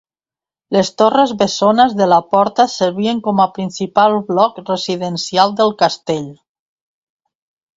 Les torres bessones de la porta servien com a principal bloc residencial del castell.